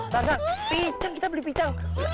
tarzan pincang kita beli pincang